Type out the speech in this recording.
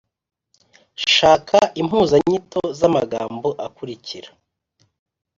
Shaka impuzanyito z’amagambo akurikira